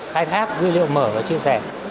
khai thác dữ liệu mở và chia sẻ